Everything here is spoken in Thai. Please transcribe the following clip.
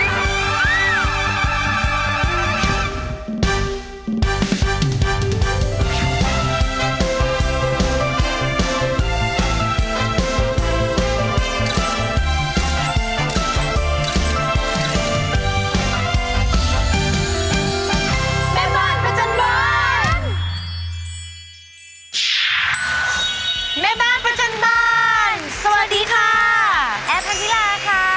แอฟทางธิราค่ะ